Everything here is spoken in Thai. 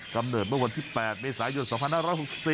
ำเนิดเมื่อวันที่๘เมษายน๒๕๖๔